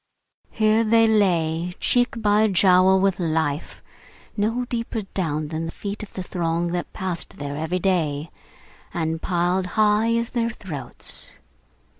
Here they lay, cheek by jowl with life: no deeper down than the feet of the throng that passed there every day, and piled high as their throats.